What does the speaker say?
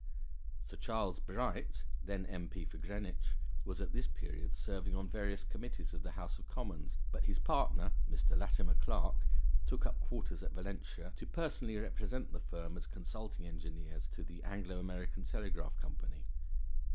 Sir Charles Bright (then M.P. for Greenwich) was at this period serving on various committees of the House of Commons; but his partner, Mr. Latimer Clark, took up quarters at Valentia to personally represent the firm as consulting engineers to the Anglo American Telegraph Company.